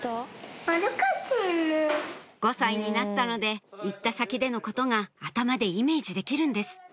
５歳になったので行った先でのことが頭でイメージできるんです